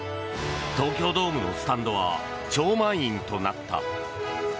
東京ドームのスタンドは多くのファンで超満員となった。